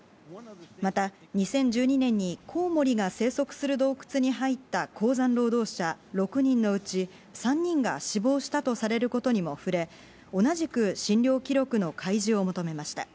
また、２０１２年にコウモリが生息する洞窟に入った鉱山労働者６人のうち、３人が死亡したとされることにも触れ、同じく診療記録の開示を求めました。